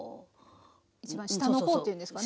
一番下の方というんですかね。